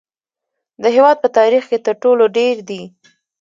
د هیواد په تاریخ کې تر ټولو ډیر دي